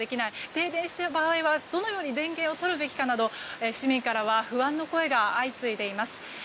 停電した場合はどのように電源を取るべきかなど市民からは不安の声が相次いでいます。